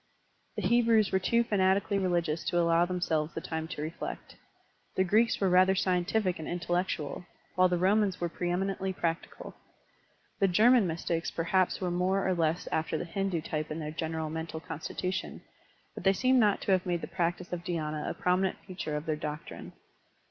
The Hebrews were too fanatically religious to allow them selves the time to reflect. The Greeks were rather scientific and intellectual, while the Romans were pre eminently practical. The Ger man mystics perhaps were more or less after the Hindu type in their general mental constitution, but they seem not to have made the practice of dhySna a prominent feature of their doctrine.